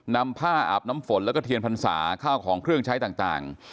นำผ้าอาบน้ำฝนแล้วก็เทียนพรรษาข้าวของเครื่องใช้ต่าง